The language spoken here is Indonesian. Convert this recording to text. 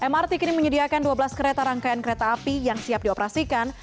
mrt kini menyediakan dua belas kereta rangkaian kereta api yang siap dioperasikan